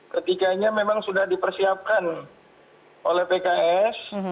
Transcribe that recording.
ketiganya memang sudah dipersiapkan oleh pks